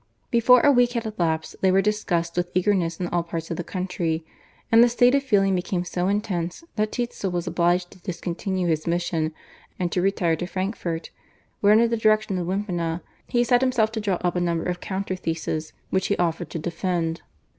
Before a week had elapsed they were discussed with eagerness in all parts of the country, and the state of feeling became so intense that Tetzel was obliged to discontinue his mission, and to retire to Frankfurt, where under the direction of Wimpina, he set himself to draw up a number of counter theses which he offered to defend.